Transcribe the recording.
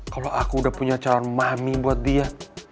kalau aku udah punya calon mahmi buat dia